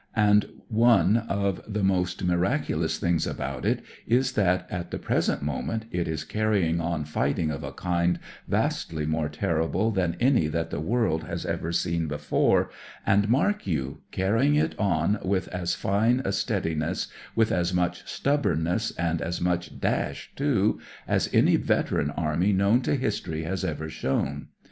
And one of the most miraculous things about it is that at the present moment it is carrying on fighting of a kind vastly more terrible than any that the world has ever seen before, and, mark you, carrying it on with as fine a steadi ness, with as much stubbornness, and as much dash, too, as any veteran army known to history has ever shown.